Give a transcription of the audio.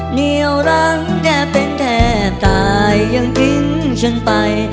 เหนียวรั้งแทบเป็นแทบตายยังทิ้งฉันไป